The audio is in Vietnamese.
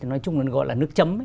nói chung nó gọi là nước chấm